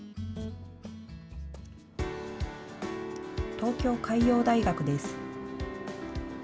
東京海洋大学です。